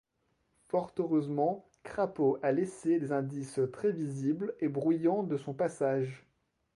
Fort heureusement, Crapaud a laissé des indices très visibles et bruyants de son passage...